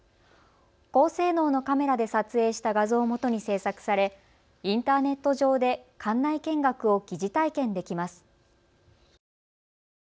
高性能のカメラで撮影した画像をもとに制作されインターネット上で館内見学を疑似体験できます。